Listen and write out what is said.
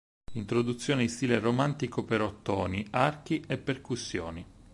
Introduzione in stile romantico per ottoni, archi e percussioni.